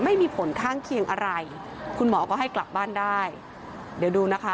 ไม่มีผลข้างเคียงอะไรคุณหมอก็ให้กลับบ้านได้เดี๋ยวดูนะคะ